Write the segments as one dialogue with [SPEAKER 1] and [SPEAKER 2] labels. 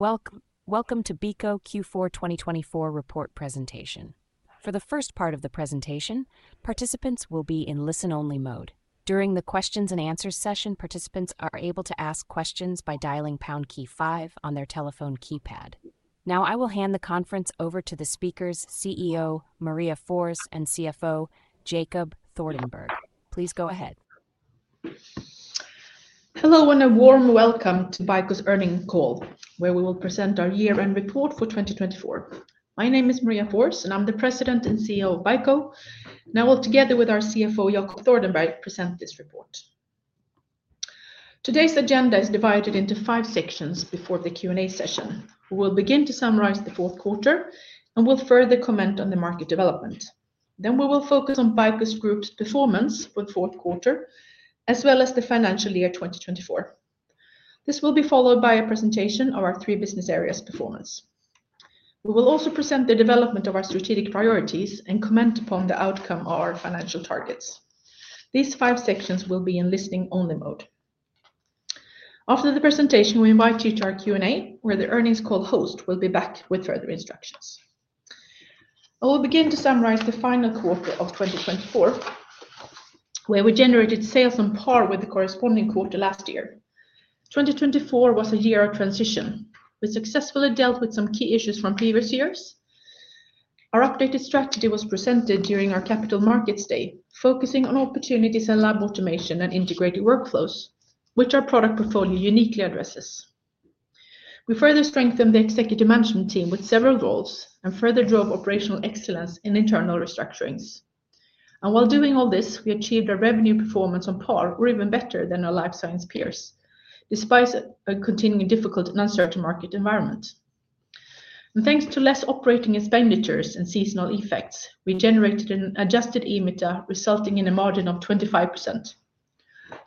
[SPEAKER 1] Welcome, welcome to BICO Q4 2024 Report Presentation. For the first part of the presentation, participants will be in listen-only mode. During the question and answer session, participants are able to ask questions by dialing pound key five on their telephone keypad. Now, I will hand the conference over to the speakers, CEO Maria Forss and CFO Jacob Thordenberg. Please go ahead.
[SPEAKER 2] Hello, and a warm welcome to BICO's Earnings Call, where we will present our year-end report for 2024. My name is Maria Forss, and I'm the President and CEO of BICO. Now, I'll together with our CFO Jacob Thordenberg present this report. Today's agenda is divided into five sections before the Q&A session. We will begin to summarize the fourth quarter, and we'll further comment on the market development. Then we will focus on BICO's group's performance for the fourth quarter, as well as the financial year 2024. This will be followed by a presentation of our three business areas' performance. We will also present the development of our strategic priorities and comment upon the outcome of our financial targets. These five sections will be in listening-only mode. After the presentation, we invite you to our Q&A, where the earnings call host will be back with further instructions. I will begin to summarize the final quarter of 2024, where we generated sales on par with the corresponding quarter last year. 2024 was a year of transition. We successfully dealt with some key issues from previous years. Our updated strategy was presented during our Capital Markets Day, focusing on opportunities in lab automation and integrated workflows, which our product portfolio uniquely addresses. We further strengthened the executive management team with several roles and further drove operational excellence and internal restructurings. While doing all this, we achieved a revenue performance on par or even better than our life science peers, despite continuing a difficult and uncertain market environment. Thanks to less operating expenditures and seasonal effects, we generated an adjusted EBITDA, resulting in a margin of 25%.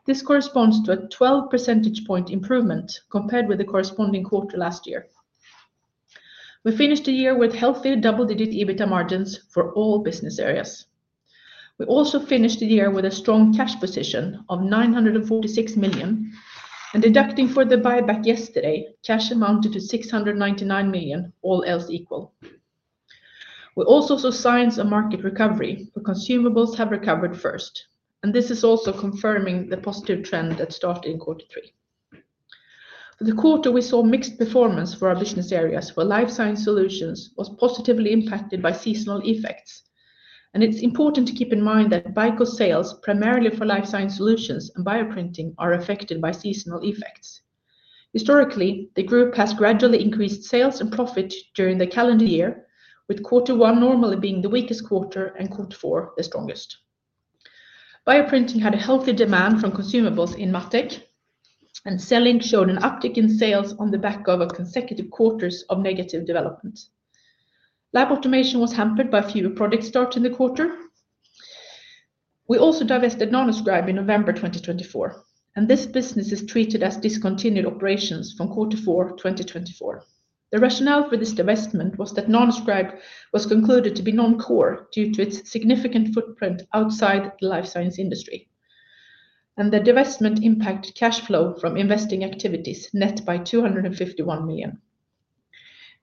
[SPEAKER 2] This corresponds to a 12% point improvement compared with the corresponding quarter last year. We finished the year with healthy double-digit EBITDA margins for all business areas. We also finished the year with a strong cash position of 946 million, and deducting for the buyback yesterday, cash amounted to 699 million, all else equal. We also saw signs of market recovery, but consumables have recovered first, and this is also confirming the positive trend that started in quarter three. For the quarter, we saw mixed performance for our business areas, where Life Science Solutions were positively impacted by seasonal effects. It is important to keep in mind that BICO's sales, primarily for Life Science Solutions and Bioprinting, are affected by seasonal effects. Historically, the group has gradually increased sales and profit during the calendar year, with quarter one normally being the weakest quarter and quarter four the strongest. Bioprinting had a healthy demand from consumables in MatTek, and CELLINK showed an uptick in sales on the back of consecutive quarters of negative development. Lab Automation was hampered by fewer projects starting the quarter. We also divested Nanoscribe in November 2024, and this business is treated as discontinued operations from quarter four 2024. The rationale for this divestment was that Nanoscribe was concluded to be non-core due to its significant footprint outside the life science industry, and the divestment impacted cash flow from investing activities net by 251 million.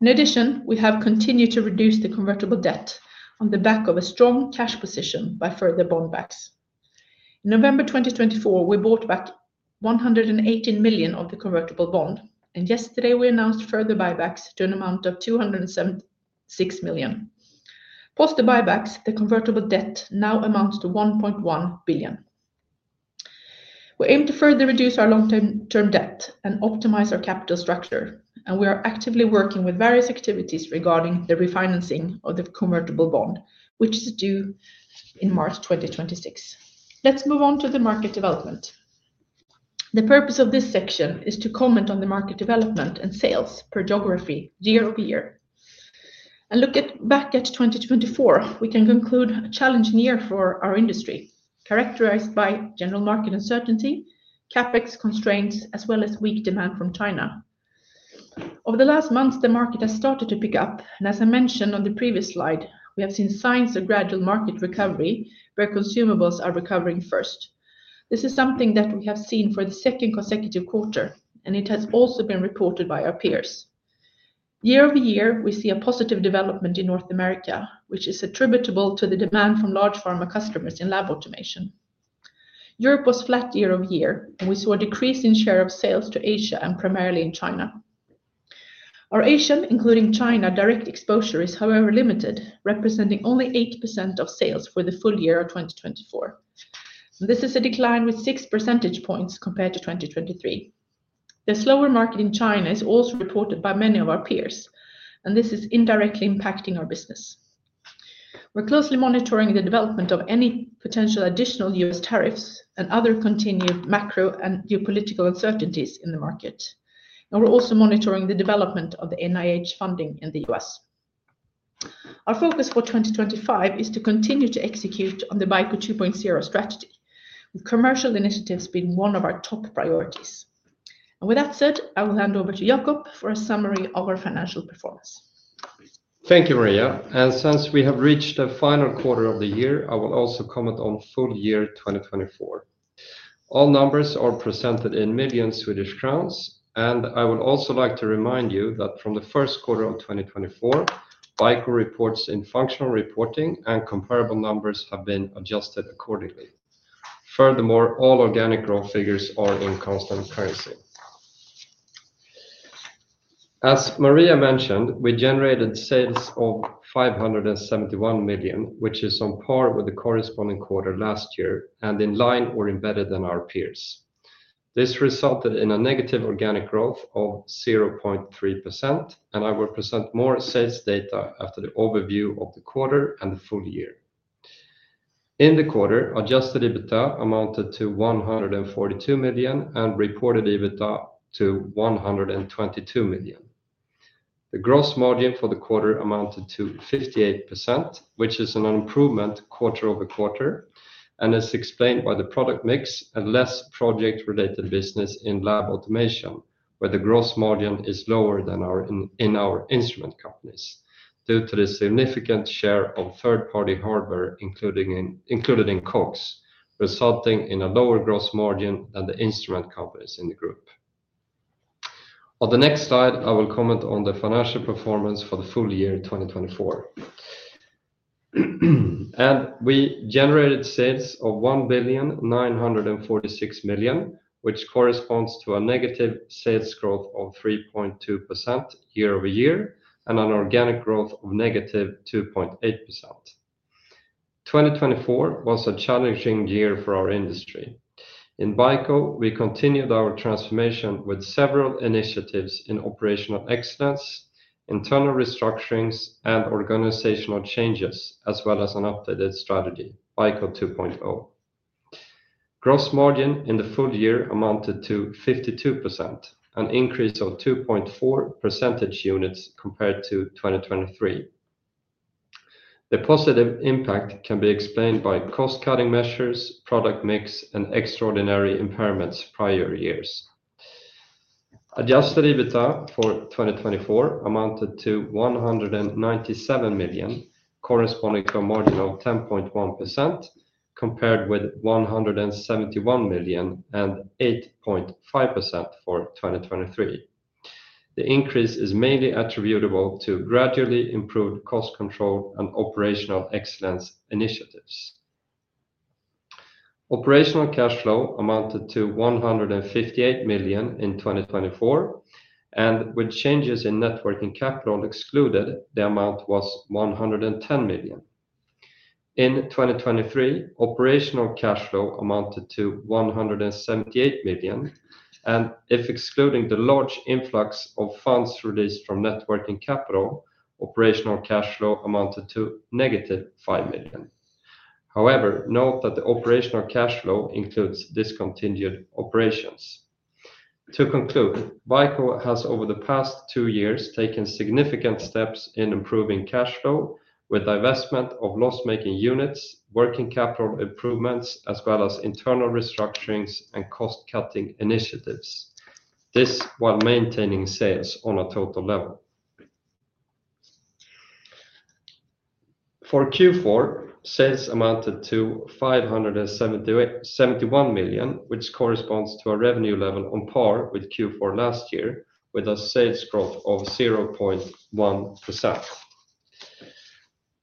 [SPEAKER 2] In addition, we have continued to reduce the convertible debt on the back of a strong cash position by further bond buybacks. In November 2024, we bought back 118 million of the convertible bond, and yesterday we announced further buybacks to an amount of 276 million. Post the buybacks, the convertible debt now amounts to 1.1 billion. We aim to further reduce our long-term debt and optimize our capital structure, and we are actively working with various activities regarding the refinancing of the convertible bond, which is due in March 2026. Let's move on to the market development. The purpose of this section is to comment on the market development and sales per geography year over year. Looking back at 2024, we can conclude a challenging year for our industry, characterized by general market uncertainty, CapEx constraints, as well as weak demand from China. Over the last months, the market has started to pick up, and as I mentioned on the previous slide, we have seen signs of gradual market recovery, where consumables are recovering first. This is something that we have seen for the second consecutive quarter, and it has also been reported by our peers. Year over year, we see a positive development in North America, which is attributable to the demand from large pharma customers in lab automation. Europe was flat year over year, and we saw a decrease in share of sales to Asia and primarily in China. Our Asian, including China, direct exposure is, however, limited, representing only 8% of sales for the full year of 2024. This is a decline with 6% points compared to 2023. The slower market in China is also reported by many of our peers, and this is indirectly impacting our business. We are closely monitoring the development of any potential additional U.S. tariffs and other continued macro and geopolitical uncertainties in the market. We are also monitoring the development of the NIH funding in the U.S.. Our focus for 2025 is to continue to execute on the BICO 2.0 strategy, with commercial initiatives being one of our top priorities. With that said, I will hand over to Jacob for a summary of our financial performance.
[SPEAKER 3] Thank you, Maria. Since we have reached the final quarter of the year, I will also comment on full year 2024. All numbers are presented in million Swedish Kronor, and I would also like to remind you that from the first quarter of 2024, BICO reports in functional reporting and comparable numbers have been adjusted accordingly. Furthermore, all organic growth figures are in constant currency. As Maria mentioned, we generated sales of 571 million, which is on par with the corresponding quarter last year and in line or embedded in our peers. This resulted in a negative organic growth of 0.3%, and I will present more sales data after the overview of the quarter and the full year. In the quarter, adjusted EBITDA amounted to 142 million and reported EBITDA to 122 million. The gross margin for the quarter amounted to 58%, which is an improvement quarter over quarter, and is explained by the product mix and less project-related business in lab automation, where the gross margin is lower than in our instrument companies due to the significant share of third-party hardware included in COGS, resulting in a lower gross margin than the instrument companies in the group. On the next slide, I will comment on the financial performance for the full year 2024. We generated sales of 1 billion 946 million, which corresponds to a negative sales growth of 3.2% year over year and an organic growth of -2.8%. 2024 was a challenging year for our industry. In BICO, we continued our transformation with several initiatives in operational excellence, internal restructurings, and organizational changes, as well as an updated strategy, BICO 2.0. Gross margin in the full year amounted to 52%, an increase of 2.4% points compared to 2023. The positive impact can be explained by cost-cutting measures, product mix, and extraordinary impairments prior years. Adjusted EBITDA for 2024 amounted to 197 million, corresponding to a margin of 10.1%, compared with 171 million and 8.5% for 2023. The increase is mainly attributable to gradually improved cost control and operational excellence initiatives. Operational cash flow amounted to 158 million in 2024, and with changes in working capital excluded, the amount was 110 million. In 2023, operational cash flow amounted to 178 million, and if excluding the large influx of funds released from working capital, operational cash flow amounted to -5 million. However, note that the operational cash flow includes discontinued operations. To conclude, BICO has over the past two years taken significant steps in improving cash flow with divestment of loss-making units, working capital improvements, as well as internal restructurings and cost-cutting initiatives. This while maintaining sales on a total level. For Q4, sales amounted to 571 million, which corresponds to a revenue level on par with Q4 last year, with a sales growth of 0.1%.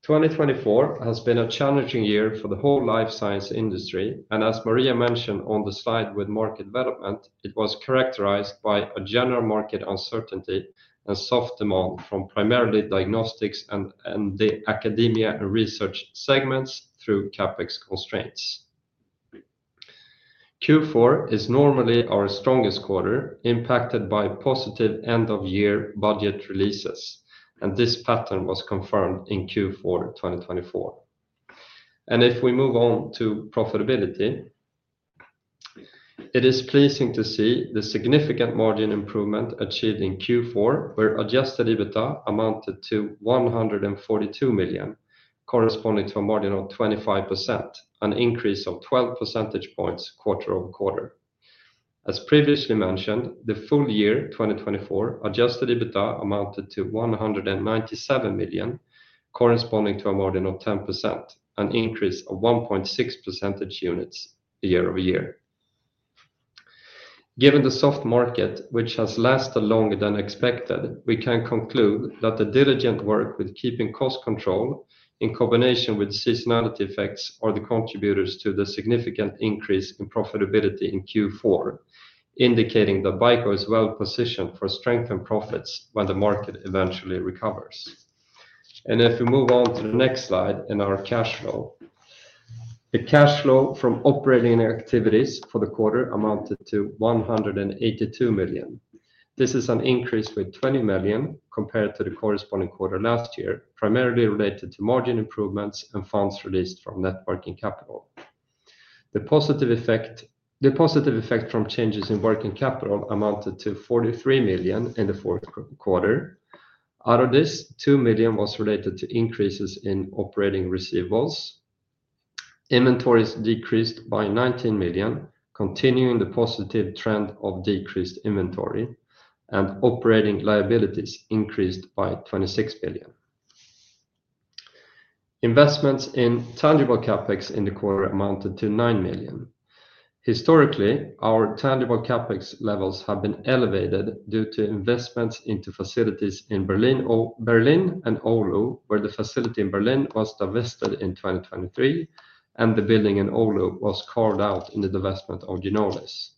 [SPEAKER 3] 2024 has been a challenging year for the whole life science industry, and as Maria mentioned on the slide with market development, it was characterized by a general market uncertainty and soft demand from primarily diagnostics and the academia research segments through CapEx constraints. Q4 is normally our strongest quarter, impacted by positive end-of-year budget releases, and this pattern was confirmed in Q4 2024. If we move on to profitability, it is pleasing to see the significant margin improvement achieved in Q4, where adjusted EBITDA amounted to 142 million, corresponding to a margin of 25%, an increase of 12% points quarter over quarter. As previously mentioned, the full year 2024 adjusted EBITDA amounted to 197 million, corresponding to a margin of 10%, an increase of 1.6% units year over year. Given the soft market, which has lasted longer than expected, we can conclude that the diligent work with keeping cost control in combination with seasonality effects are the contributors to the significant increase in profitability in Q4, indicating that BICO is well positioned for strengthened profits when the market eventually recovers. If we move on to the next slide in our cash flow, the cash flow from operating activities for the quarter amounted to 182 million. This is an increase with 20 million compared to the corresponding quarter last year, primarily related to margin improvements and funds released from working capital. The positive effect from changes in working capital amounted to 43 million in the fourth quarter. Out of this, 2 million was related to increases in operating receivables. Inventories decreased by 19 million, continuing the positive trend of decreased inventory, and operating liabilities increased by 26 million. Investments in tangible CapEx in the quarter amounted to 9 million. Historically, our tangible CapEx levels have been elevated due to investments into facilities in Berlin and Oulu, where the facility in Berlin was divested in 2023, and the building in Oulu was carved out in the divestment of Ginolis.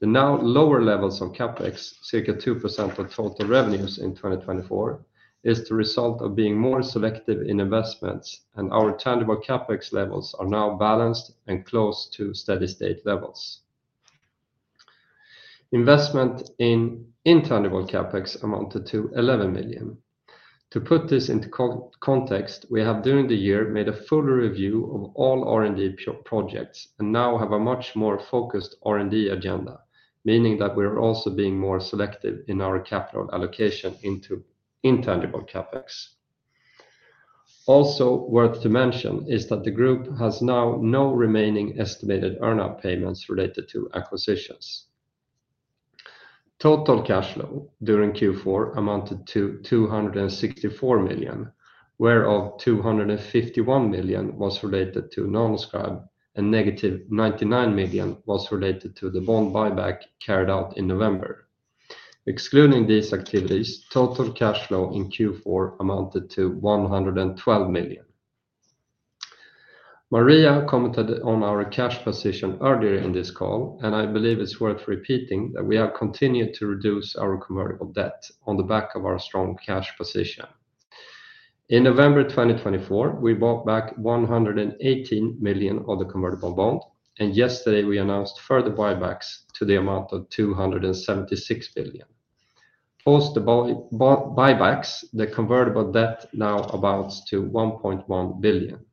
[SPEAKER 3] The now lower levels of CapEx, circa 2% of total revenues in 2024, is the result of being more selective in investments, and our tangible CapEx levels are now balanced and close to steady-state levels. Investment in intangible CapEx amounted to 11 million. To put this into context, we have during the year made a full review of all R&D projects and now have a much more focused R&D agenda, meaning that we are also being more selective in our capital allocation into intangible CapEx. Also worth to mention is that the group has now no remaining estimated earn-out payments related to acquisitions. Total cash flow during Q4 amounted to 264 million, whereof 251 million was related to Nanoscribe and -99 million was related to the bond buyback carried out in November. Excluding these activities, total cash flow in Q4 amounted to 112 million. Maria commented on our cash position earlier in this call, and I believe it's worth repeating that we have continued to reduce our convertible debt on the back of our strong cash position. In November 2024, we bought back 118 million of the convertible bond, and yesterday we announced further buybacks to the amount of 276 million. Post the buybacks, the convertible debt now amounts to 1.1 billion.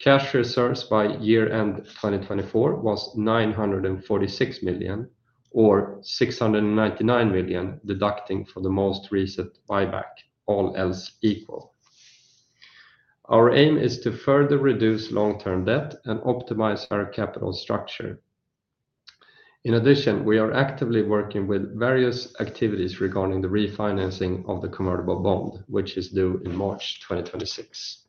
[SPEAKER 3] Cash reserves by year-end 2024 was 946 million, or 699 million deducting for the most recent buyback, all else equal. Our aim is to further reduce long-term debt and optimize our capital structure. In addition, we are actively working with various activities regarding the refinancing of the convertible bond, which is due in March 2026.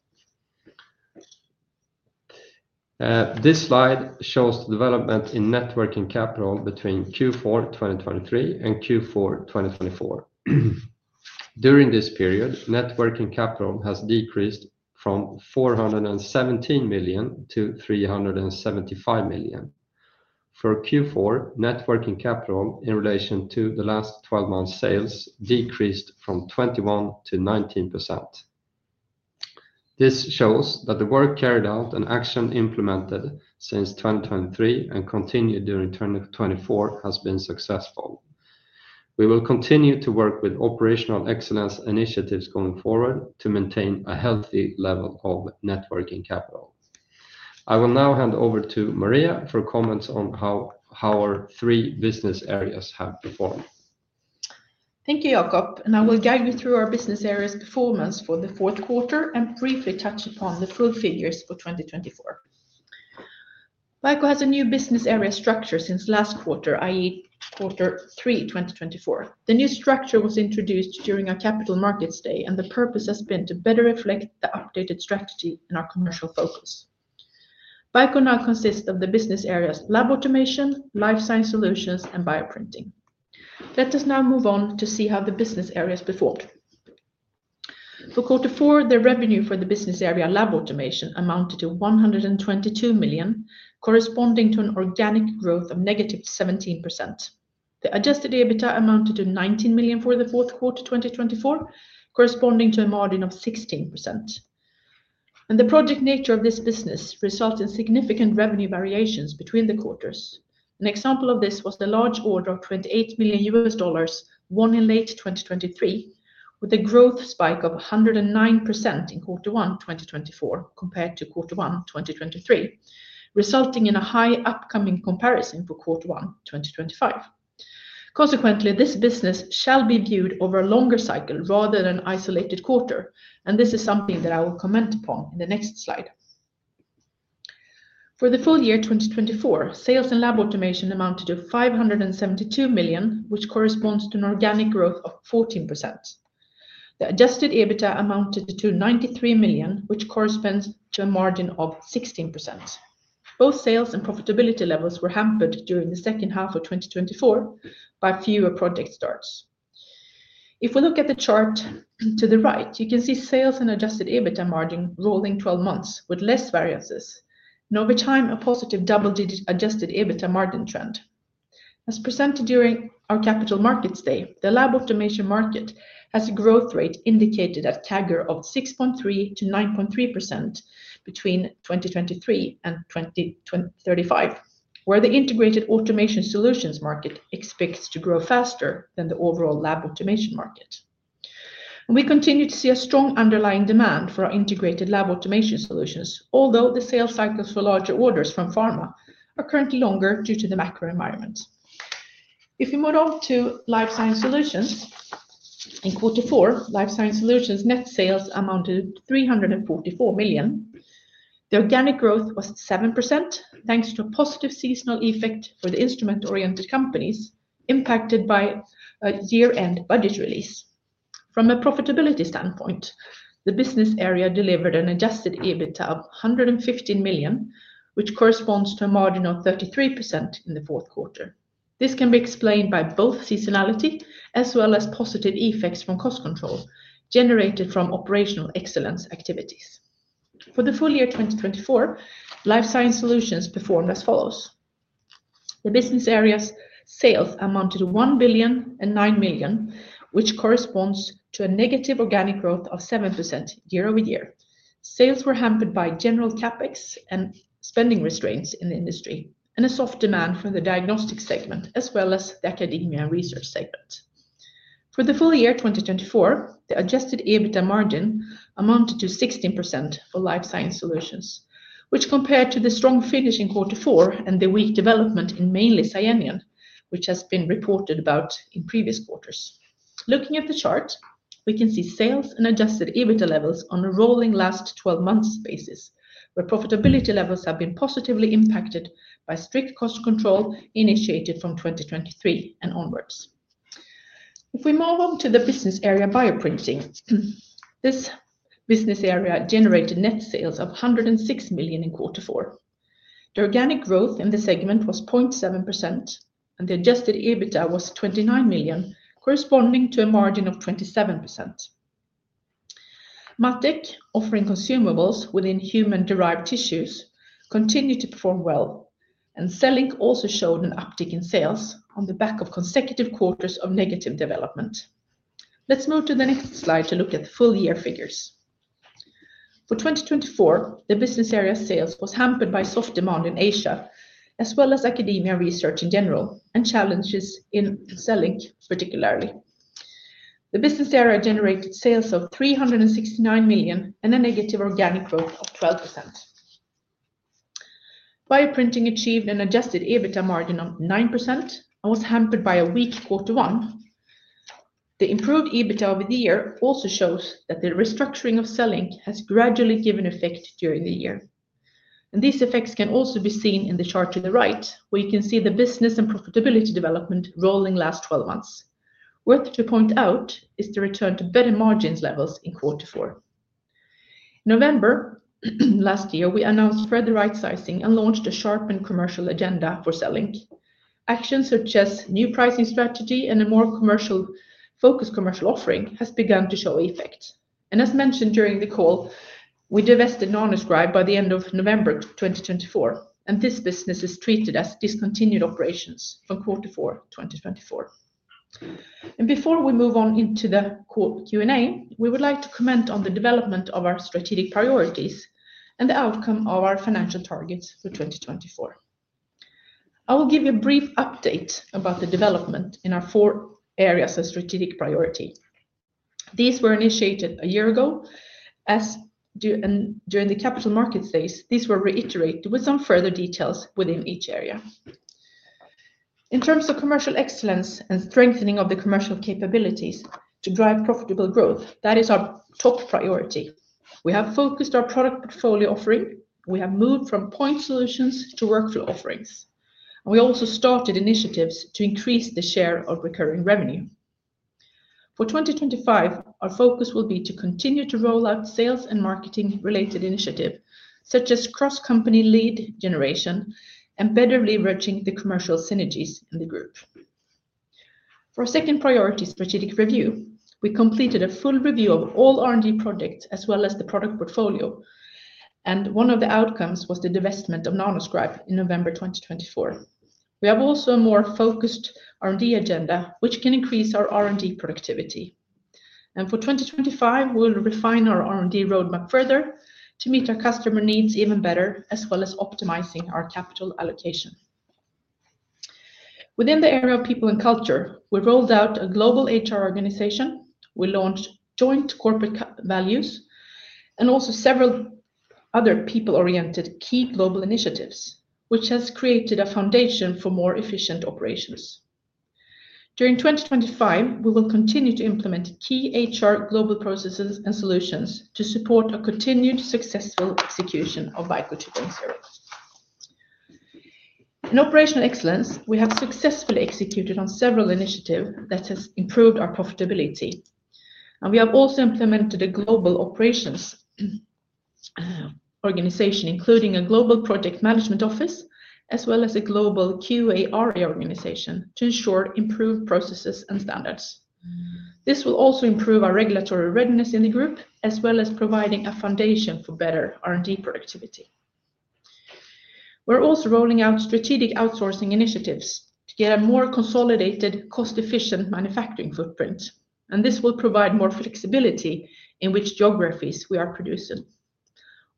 [SPEAKER 3] This slide shows the development in working capital between Q4 2023 and Q4 2024. During this period, working capital has decreased from 417 million-375 million. For Q4, working capital in relation to the last 12 months' sales decreased from 21%-19%. This shows that the work carried out and action implemented since 2023 and continued during 2024 has been successful. We will continue to work with operational excellence initiatives going forward to maintain a healthy level of working capital. I will now hand over to Maria for comments on how our three business areas have performed.
[SPEAKER 2] Thank you, Jacob. I will guide you through our business areas' performance for the fourth quarter and briefly touch upon the full figures for 2024. BICO has a new business area structure since last quarter, i.e., quarter three 2024. The new structure was introduced during our Capital Markets Day, and the purpose has been to better reflect the updated strategy and our commercial focus. BICO now consists of the business areas Lab Automation, Life Science Solutions, and Bioprinting. Let us now move on to see how the business areas performed. For quarter four, the revenue for the business area Lab Automation amounted to 122 million, corresponding to an organic growth of -17%. The adjusted EBITDA amounted to 19 million for the fourth quarter 2024, corresponding to a margin of 16%. The project nature of this business resulted in significant revenue variations between the quarters. An example of this was the large order of $28 million won in late 2023, with a growth spike of 109% in quarter one 2024 compared to quarter one 2023, resulting in a high upcoming comparison for quarter one 2025. Consequently, this business shall be viewed over a longer cycle rather than an isolated quarter, and this is something that I will comment upon in the next slide. For the full year 2024, sales in Lab Automation amounted to 572 million, which corresponds to an organic growth of 14%. The adjusted EBITDA amounted to 93 million, which corresponds to a margin of 16%. Both sales and profitability levels were hampered during the second half of 2024 by fewer project starts. If we look at the chart to the right, you can see sales and adjusted EBITDA margin rolling 12 months with less variances, and over time a positive double-digit adjusted EBITDA margin trend. As presented during our Capital Markets Day, the Lab Automation market has a growth rate indicated at a stagger of 6.3%-9.3% between 2023 and 2035, where the integrated automation solutions market expects to grow faster than the overall Lab Automation market. We continue to see a strong underlying demand for our integrated Lab Automation solutions, although the sales cycles for larger orders from pharma are currently longer due to the macro environment. If we move on to Life Science Solutions, in quarter four, Life Science Solutions' net sales amounted to 344 million. The organic growth was 7%, thanks to a positive seasonal effect for the instrument-oriented companies impacted by a year-end budget release. From a profitability standpoint, the business area delivered an adjusted EBITDA of 115 million, which corresponds to a margin of 33% in the fourth quarter. This can be explained by both seasonality as well as positive effects from cost control generated from operational excellence activities. For the full year 2024, Life Science Solutions performed as follows. The business area's sales amounted to 1 billion and 9 million, which corresponds to a negative organic growth of 7% year over year. Sales were hampered by general CapEx and spending restraints in the industry, and a soft demand from the diagnostic segment as well as the academia research segment. For the full year 2024, the adjusted EBITDA margin amounted to 16% for Life Science Solutions, which compared to the strong finish in quarter four and the weak development in mainly China, which has been reported about in previous quarters. Looking at the chart, we can see sales and adjusted EBITDA levels on a rolling last 12 months basis, where profitability levels have been positively impacted by strict cost control initiated from 2023 and onwards. If we move on to the business area Bioprinting, this business area generated net sales of 106 million in quarter four. The organic growth in the segment was 0.7%, and the adjusted EBITDA was 29 million, corresponding to a margin of 27%. MatTek, offering consumables within human-derived tissues, continued to perform well, and CELLINK also showed an uptick in sales on the back of consecutive quarters of negative development. Let's move to the next slide to look at the full year figures. For 2024, the business area sales was hampered by soft demand in Asia, as well as academia research in general, and challenges in CELLINK particularly. The business area generated sales of 369 million and a negative organic growth of 12%. Bioprinting achieved an adjusted EBITDA margin of 9% and was hampered by a weak quarter one. The improved EBITDA over the year also shows that the restructuring of CELLINK has gradually given effect during the year. These effects can also be seen in the chart to the right, where you can see the business and profitability development rolling last 12 months. Worth to point out is the return to better margin levels in quarter four. In November last year, we announced further right-sizing and launched a sharpened commercial agenda for CELLINK. Actions such as new pricing strategy and a more focused commercial offering have begun to show effect. As mentioned during the call, we divested Nanoscribe by the end of November 2024, and this business is treated as discontinued operations from quarter four 2024. Before we move on into the Q&A, we would like to comment on the development of our strategic priorities and the outcome of our financial targets for 2024. I will give you a brief update about the development in our four areas of strategic priority. These were initiated a year ago, and during the Capital Markets Days, these were reiterated with some further details within each area. In terms of commercial excellence and strengthening of the commercial capabilities to drive profitable growth, that is our top priority. We have focused our product portfolio offering. We have moved from point solutions to workflow offerings. We also started initiatives to increase the share of recurring revenue. For 2025, our focus will be to continue to roll out sales and marketing-related initiatives, such as cross-company lead generation and better leveraging the commercial synergies in the group. For our second priority strategic review, we completed a full review of all R&D projects as well as the product portfolio, and one of the outcomes was the divestment of Nanoscribe in November 2024. We have also a more focused R&D agenda, which can increase our R&D productivity. For 2025, we'll refine our R&D roadmap further to meet our customer needs even better, as well as optimizing our capital allocation. Within the area of people and culture, we rolled out a global HR organization. We launched joint corporate values and also several other people-oriented key global initiatives, which has created a foundation for more efficient operations. During 2025, we will continue to implement key HR global processes and solutions to support a continued successful execution of BICO 2.0. In operational excellence, we have successfully executed on several initiatives that have improved our profitability. We have also implemented a global operations organization, including a global project management office, as well as a global QARA organization to ensure improved processes and standards. This will also improve our regulatory readiness in the group, as well as providing a foundation for better R&D productivity. We're also rolling out strategic outsourcing initiatives to get a more consolidated, cost-efficient manufacturing footprint, and this will provide more flexibility in which geographies we are producing.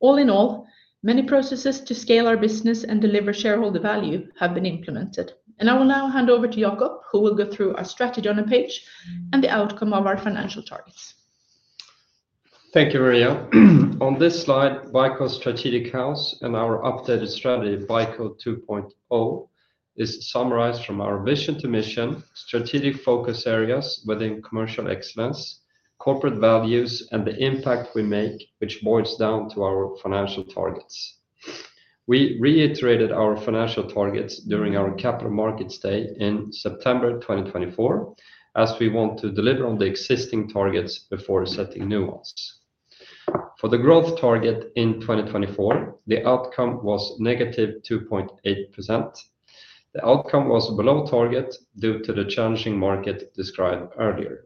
[SPEAKER 2] All in all, many processes to scale our business and deliver shareholder value have been implemented. I will now hand over to Jacob, who will go through our strategy on a page and the outcome of our financial targets.
[SPEAKER 3] Thank you, Maria. On this slide, BICO's strategic house and our updated strategy, BICO 2.0, is summarized from our vision to mission, strategic focus areas within commercial excellence, corporate values, and the impact we make, which boils down to our financial targets. We reiterated our financial targets during our Capital Markets Day in September 2024, as we want to deliver on the existing targets before setting new ones. For the growth target in 2024, the outcome was -2.8%. The outcome was below target due to the challenging market described earlier.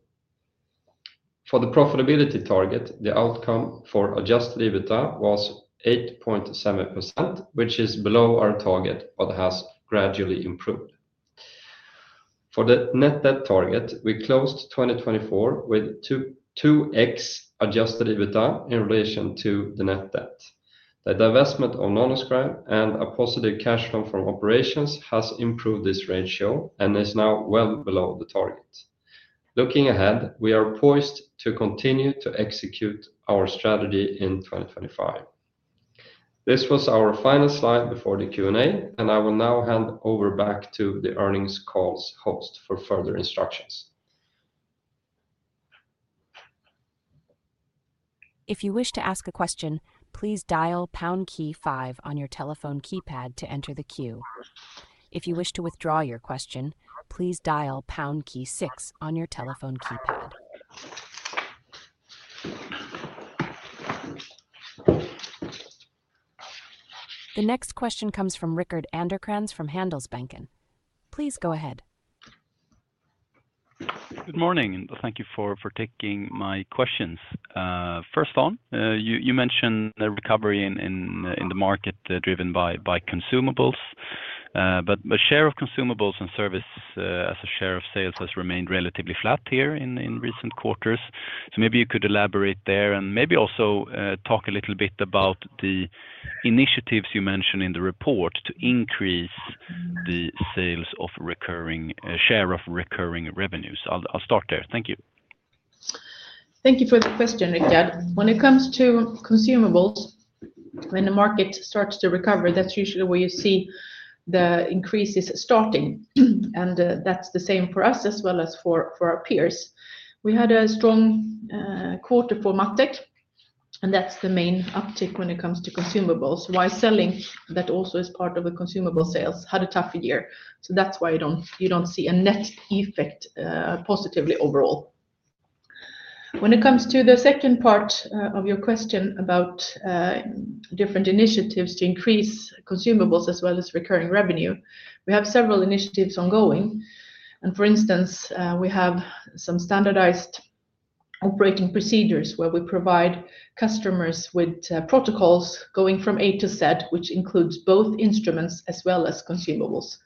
[SPEAKER 3] For the profitability target, the outcome for adjusted EBITDA was 8.7%, which is below our target, but has gradually improved. For the net debt target, we closed 2024 with 2X adjusted EBITDA in relation to the net debt. The divestment of Nanoscribe and a positive cash flow from operations has improved this ratio and is now well below the target. Looking ahead, we are poised to continue to execute our strategy in 2025. This was our final slide before the Q&A, and I will now hand over back to the earnings call's host for further instructions.
[SPEAKER 1] If you wish to ask a question, please dial pound key five on your telephone keypad to enter the queue. If you wish to withdraw your question, please dial pound key six on your telephone keypad. The next question comes from Rickard Anderkrans from Handelsbanken. Please go ahead.
[SPEAKER 4] Good morning, and thank you for taking my questions. First on, you mentioned a recovery in the market driven by consumables, but the share of consumables and service as a share of sales has remained relatively flat here in recent quarters. Maybe you could elaborate there and maybe also talk a little bit about the initiatives you mentioned in the report to increase the sales of recurring share of recurring revenues. I'll start there. Thank you.
[SPEAKER 2] Thank you for the question, Rickard. When it comes to consumables, when the market starts to recover, that's usually where you see the increases starting, and that's the same for us as well as for our peers. We had a strong quarter for MatTek, and that's the main uptick when it comes to consumables. While CELLINK, that also is part of the consumable sales, had a tough year. That's why you don't see a net effect positively overall. When it comes to the second part of your question about different initiatives to increase consumables as well as recurring revenue, we have several initiatives ongoing. For instance, we have some standardized operating procedures where we provide customers with protocols going from A to Z, which includes both instruments as well as consumables.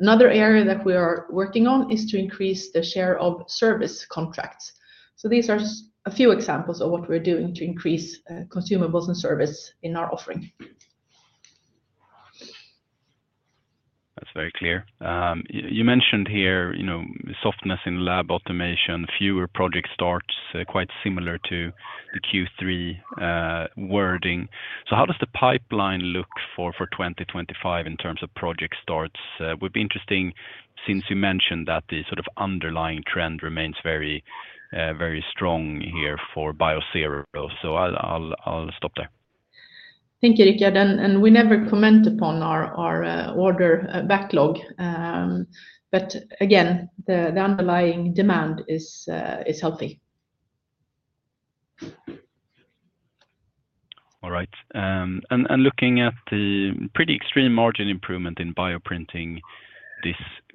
[SPEAKER 2] Another area that we are working on is to increase the share of service contracts. These are a few examples of what we're doing to increase consumables and service in our offering.
[SPEAKER 4] That's very clear. You mentioned here softness in lab automation, fewer project starts, quite similar to the Q3 wording. How does the pipeline look for 2025 in terms of project starts? Would be interesting since you mentioned that the sort of underlying trend remains very strong here for Biosero. I'll stop there.
[SPEAKER 2] Thank you, Rickard. We never comment upon our order backlog, but again, the underlying demand is healthy.
[SPEAKER 4] All right. Looking at the pretty extreme margin improvement in bioprinting this quarter,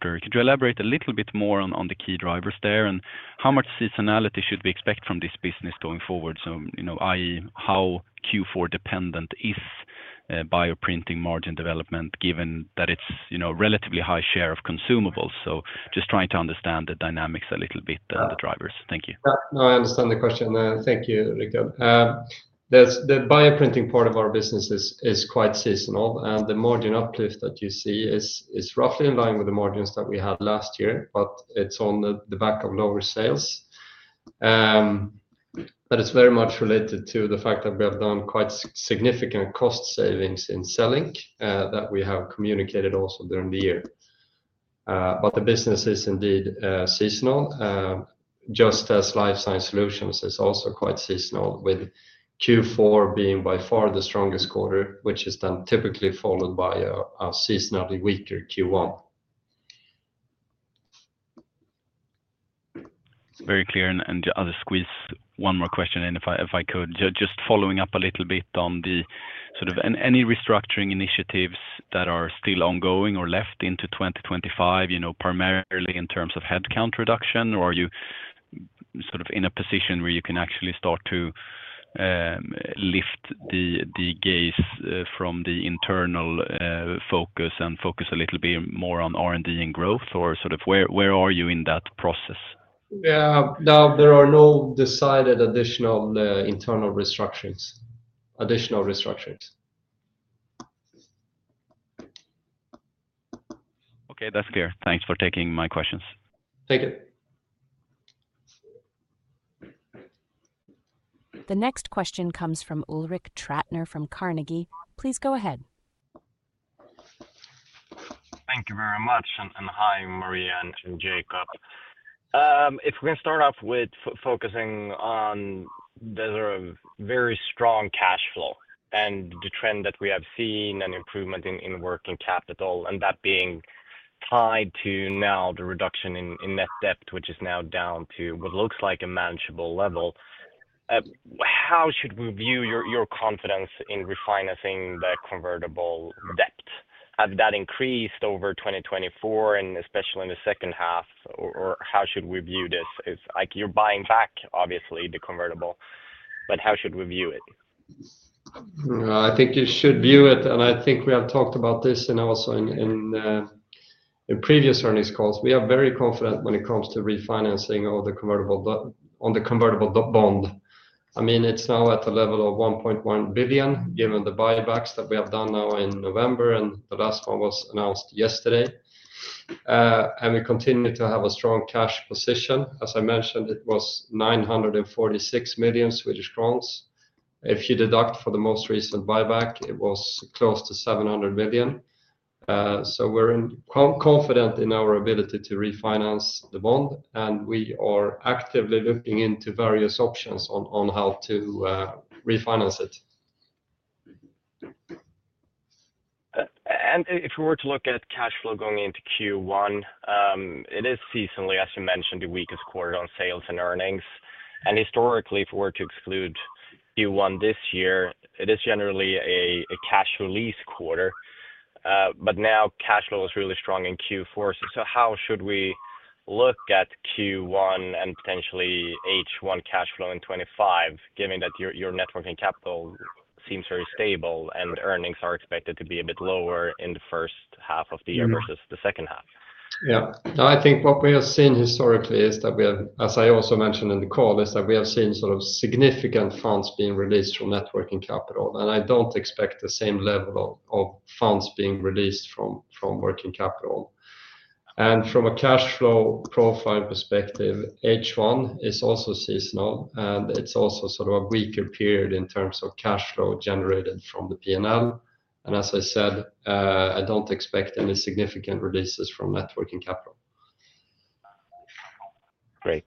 [SPEAKER 4] could you elaborate a little bit more on the key drivers there and how much seasonality should we expect from this business going forward? I.e., how Q4 dependent is bioprinting margin development, given that it's a relatively high share of consumables? Just trying to understand the dynamics a little bit and the drivers. Thank you.
[SPEAKER 3] No, I understand the question. Thank you, Rickard. The bioprinting part of our business is quite seasonal, and the margin uplift that you see is roughly in line with the margins that we had last year, but it's on the back of lower sales. It is very much related to the fact that we have done quite significant cost savings in CELLINK that we have communicated also during the year. The business is indeed seasonal, just as Life Science Solutions is also quite seasonal, with Q4 being by far the strongest quarter, which is then typically followed by a seasonally weaker Q1.
[SPEAKER 4] It's very clear. I'll just squeeze one more question in, if I could. Just following up a little bit on the sort of any restructuring initiatives that are still ongoing or left into 2025, primarily in terms of headcount reduction, or are you sort of in a position where you can actually start to lift the gaze from the internal focus and focus a little bit more on R&D and growth? Where are you in that process?
[SPEAKER 3] Yeah, now there are no decided additional internal restructurings.
[SPEAKER 4] Okay, that's clear. Thanks for taking my questions.
[SPEAKER 3] Thank you.
[SPEAKER 1] The next question comes from Ulrik Trattner from Carnegie. Please go ahead.
[SPEAKER 5] Thank you very much. Hi, Maria and Jacob. If we can start off with focusing on the sort of very strong cash flow and the trend that we have seen and improvement in working capital, and that being tied to now the reduction in net debt, which is now down to what looks like a manageable level, how should we view your confidence in refinancing the convertible debt? Has that increased over 2024, and especially in the second half? How should we view this? You're buying back, obviously, the convertible, but how should we view it?
[SPEAKER 3] I think you should view it, and I think we have talked about this also in previous earnings calls. We are very confident when it comes to refinancing on the convertible bond. I mean, it is now at the level of 1.1 billion, given the buybacks that we have done now in November, and the last one was announced yesterday. We continue to have a strong cash position. As I mentioned, it was 946 million Swedish crowns. If you deduct for the most recent buyback, it was close to 700 million. We are confident in our ability to refinance the bond, and we are actively looking into various options on how to refinance it.
[SPEAKER 5] If we were to look at cash flow going into Q1, it is seasonally, as you mentioned, the weakest quarter on sales and earnings. Historically, if we were to exclude Q1 this year, it is generally a cash release quarter. Now cash flow is really strong in Q4. How should we look at Q1 and potentially H1 cash flow in 2025, given that your working capital seems very stable and earnings are expected to be a bit lower in the first half of the year vs the second half?
[SPEAKER 3] Yeah. No, I think what we have seen historically is that we have, as I also mentioned in the call, seen sort of significant funds being released from working capital. I do not expect the same level of funds being released from working capital. From a cash flow profile perspective, H1 is also seasonal, and it is also sort of a weaker period in terms of cash flow generated from the P&L. I do not expect any significant releases from working capital.
[SPEAKER 5] Great.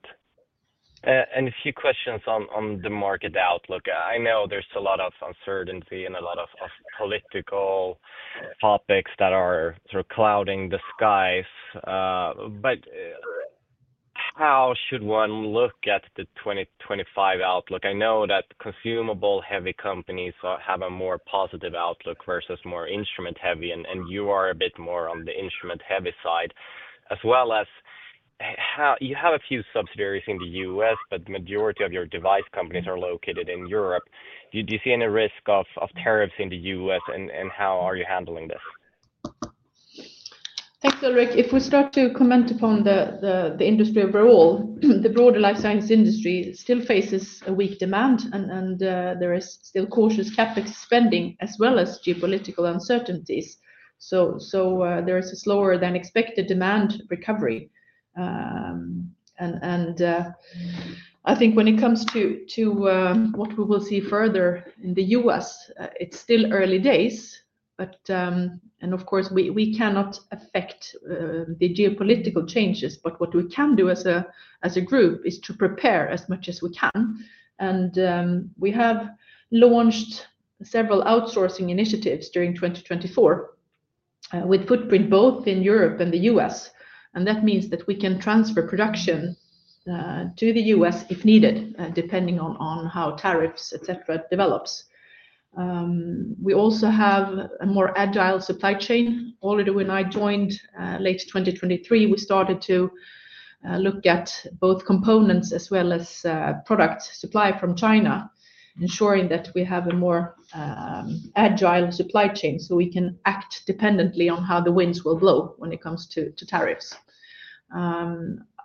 [SPEAKER 5] A few questions on the market outlook. I know there's a lot of uncertainty and a lot of political topics that are sort of clouding the skies. How should one look at the 2025 outlook? I know that consumable-heavy companies have a more positive outlook versus more instrument-heavy, and you are a bit more on the instrument-heavy side, as well as you have a few subsidiaries in the U.S., but the majority of your device companies are located in Europe. Do you see any risk of tariffs in the U.S., and how are you handling this?
[SPEAKER 2] Thanks, Ulrik. If we start to comment upon the industry overall, the broader life science industry still faces a weak demand, and there is still cautious CapEx spending as well as geopolitical uncertainties. There is a slower than expected demand recovery. I think when it comes to what we will see further in the U.S., it's still early days. Of course, we cannot affect the geopolitical changes, but what we can do as a group is to prepare as much as we can. We have launched several outsourcing initiatives during 2024 with footprint both in Europe and the U.S.. That means that we can transfer production to the U.S. if needed, depending on how tariffs, etc., develops. We also have a more agile supply chain. Oliver and I joined late 2023. We started to look at both components as well as product supply from China, ensuring that we have a more agile supply chain so we can act dependently on how the winds will blow when it comes to tariffs.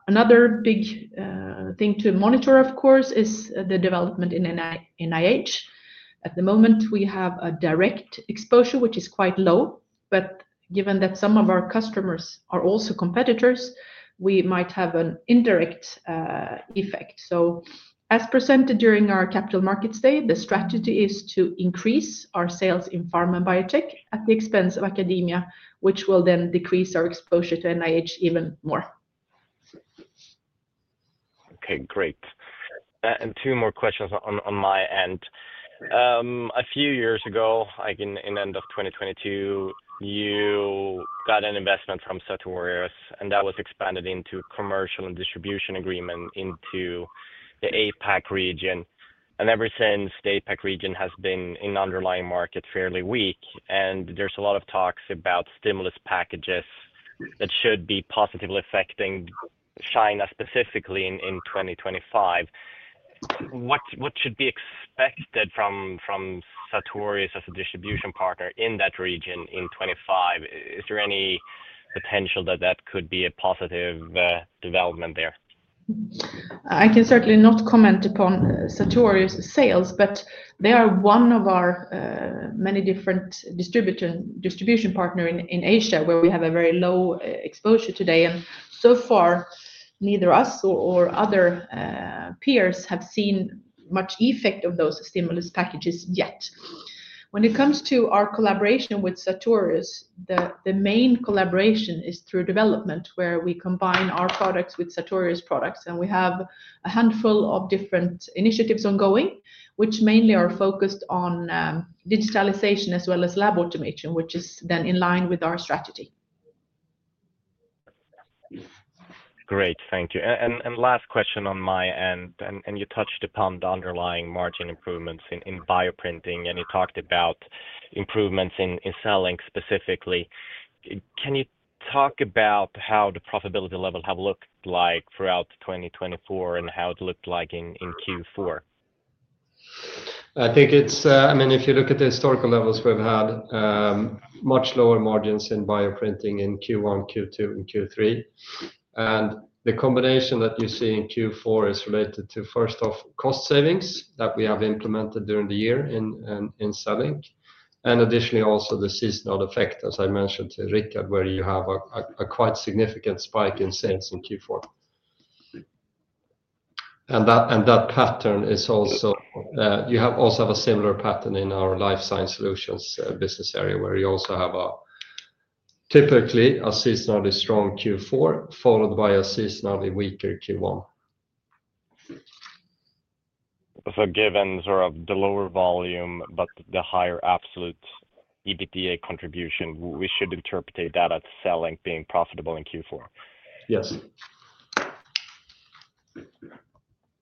[SPEAKER 2] Another big thing to monitor, of course, is the development in NIH. At the moment, we have a direct exposure, which is quite low. Given that some of our customers are also competitors, we might have an indirect effect. As presented during our Capital Markets Day, the strategy is to increase our sales in pharma and biotech at the expense of academia, which will then decrease our exposure to NIH even more.
[SPEAKER 5] Okay, great. Two more questions on my end. A few years ago, in the end of 2022, you got an investment from Sartorius, and that was expanded into a commercial and distribution agreement into the APAC region. Ever since, the APAC region has been in underlying markets fairly weak, and there's a lot of talks about stimulus packages that should be positively affecting China specifically in 2025. What should be expected from Sartorius as a distribution partner in that region in 2025? Is there any potential that that could be a positive development there?
[SPEAKER 2] I can certainly not comment upon Sartorius sales, but they are one of our many different distribution partners in Asia where we have a very low exposure today. So far, neither us nor other peers have seen much effect of those stimulus packages yet. When it comes to our collaboration with Sartorius, the main collaboration is through development, where we combine our products with Sartorius products. We have a handful of different initiatives ongoing, which mainly are focused on digitalization as well as lab automation, which is then in line with our strategy.
[SPEAKER 5] Great. Thank you. Last question on my end. You touched upon the underlying margin improvements in bioprinting, and you talked about improvements in CELLINK specifically. Can you talk about how the profitability level has looked like throughout 2024 and how it looked like in Q4?
[SPEAKER 3] I think it's, I mean, if you look at the historical levels, we've had much lower margins in bioprinting in Q1, Q2, and Q3. The combination that you see in Q4 is related to, first off, cost savings that we have implemented during the year in CELLINK. Additionally, also the seasonal effect, as I mentioned to Rickard, where you have a quite significant spike in sales in Q4. That pattern is also, you also have a similar pattern in our Life Science Solutions business area, where you also have typically a seasonally strong Q4 followed by a seasonally weaker Q1.
[SPEAKER 5] Given sort of the lower volume, but the higher absolute EBITDA contribution, we should interpret that as CELLINK being profitable in Q4?
[SPEAKER 3] Yes.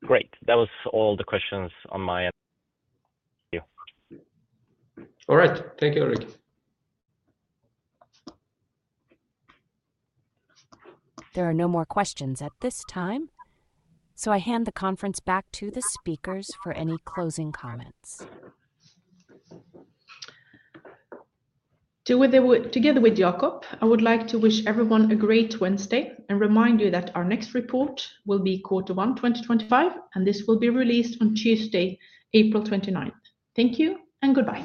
[SPEAKER 5] Great. That was all the questions on my end. Thank you.
[SPEAKER 3] All right. Thank you, Ulrik.
[SPEAKER 1] There are no more questions at this time. I hand the conference back to the speakers for any closing comments.
[SPEAKER 2] Together with Jacob, I would like to wish everyone a great Wednesday and remind you that our next report will be quarter one 2025, and this will be released on Tuesday, April 29. Thank you and goodbye.